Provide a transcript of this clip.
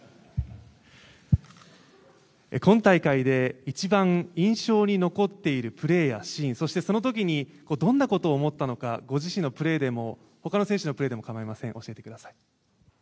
今大会で一番印象に残っているプレーやシーンそしてその時にどんなことを思ったのかご自身のプレーでも他の選手のプレーでも構いません教えてください。